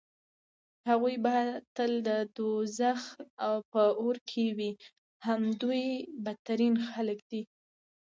هغوی به تل د دوزخ په اور کې وي همدوی بدترين خلک دي